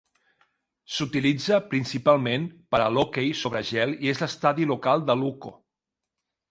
S'utilitza principalment per a l'hoquei sobre gel i és l'estadi local de Lukko.